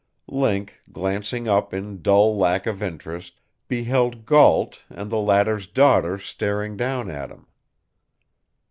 Link, glancing up in dull lack of interest, beheld Gault and the latter's daughter staring down at him.